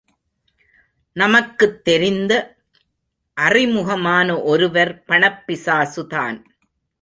நமக்குத் தெரிந்த அறிமுகமான ஒருவர் பணப் பிசாசுதான்!